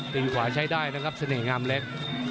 ดินขวาใช้ได้นะครับสเน่งามเล็ก